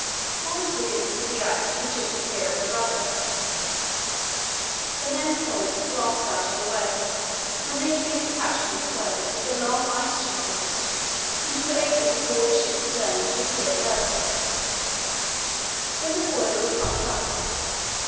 Orders were given for the ice to be chipped clear of the rudder. The men poled the blocks out of the way when they had been detached from the floe with the long ice chisels, and we were able to haul the ship's stern into a clear berth. Then the boiler was pumped up.